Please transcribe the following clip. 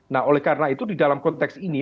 nah oleh karena itu di dalam konteks ini